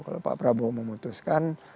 kalau pak prabowo memutuskan